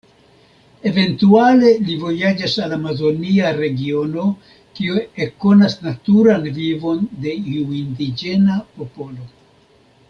Eventuale li vojaĝas al amazonia regiono kie ekkonas naturan vivon de iu indiĝena popolo.